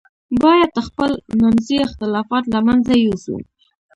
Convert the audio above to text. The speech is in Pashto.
باید خپل منځي اختلافات له منځه یوسو.